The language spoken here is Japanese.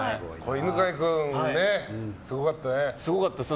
犬飼君、すごかったね。